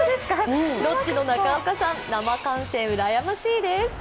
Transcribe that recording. ロッチの中岡さん、生観戦羨ましいです。